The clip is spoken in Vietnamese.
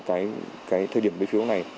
cái thời điểm lấy phiếu này